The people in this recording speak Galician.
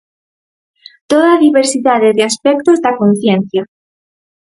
Toda a diversidade de aspectos da conciencia.